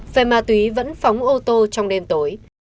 về ma túy vẫn phóng ô tô trong đêm tối